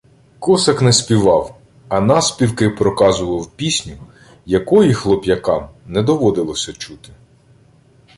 Косак не співав, а навспівки проказував пісню, якої хлоп'якам не доводилося чути.